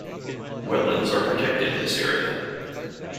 Wetlands are protected in this area.